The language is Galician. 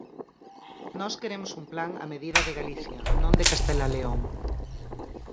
Nós queremos un plan á medida de Galicia, non de Castela-León.